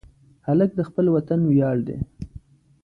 هلک د خپل وطن ویاړ دی.